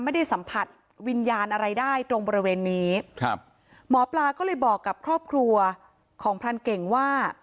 ไม่ได้สัมผัสวิญญาณอะไรได้ตรงบริเวณนี้ครับหมอปลาก็เลยบอกกับครอบครัวของพรานเก่งว่า